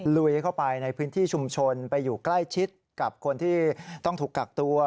ลุยเข้าไปในพื้นที่ชุมชนไปอยู่ใกล้ชิดกับคนที่ต้องถูกกักตัว